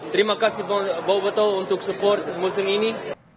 terima kasih bowoto untuk support musim ini